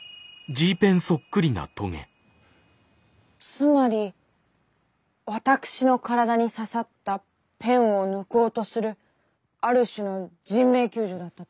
つまり私の体に刺さったペンを抜こうとするある種の人命救助だったと？